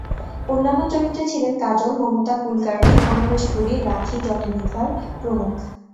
অন্যান্য চরিত্রে ছিলেন কাজল, মমতা কুলকার্নি, অমরেশ পুরী, রাখি, জনি লিভার প্রমুখ।